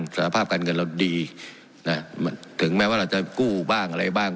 สภาพการเงินเราดีนะถึงแม้ว่าเราจะกู้บ้างอะไรบ้าง